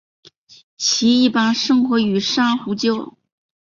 其一般生活于珊瑚礁。